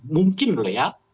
mungkin boleh ya